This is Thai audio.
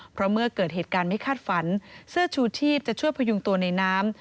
เพราะเมื่อเกิดเหตุการณ์ไม่คาดฝันเสื้อชูชีพจะช่วยพยุงตัวในน้ำ